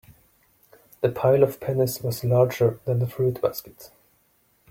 The pile of pennies was larger than the fruit basket.